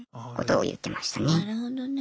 なるほどね。